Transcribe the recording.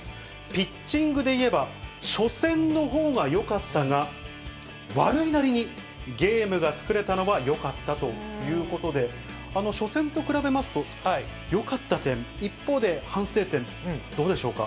ピッチングでいえば、初戦のほうがよかったが、悪いなりにゲームが作れたのはよかったということで、初戦と比べますと、よかった点、一方で反省点、どうでしょうか。